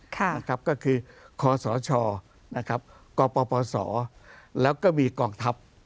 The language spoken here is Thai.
ค่ะนะครับก็คือคศนะครับกปศแล้วก็มีกองทัพ